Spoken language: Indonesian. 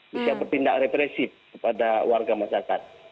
bisa bertindak represif kepada warga masyarakat